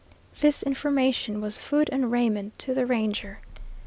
This information was food and raiment to the Ranger.